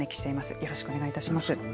よろしくお願いします。